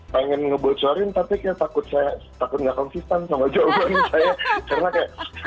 pengen ngebocorin tapi kayak takut saya takut nggak konsisten sama jawaban saya karena kayak